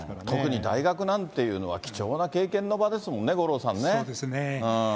特に大学なんていうのは、貴重な経験の場ですもんね、そうですね。